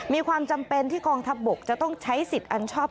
มีความจำเป็นที่กองทัพบกจะต้องใช้สิทธิ์อันชอบ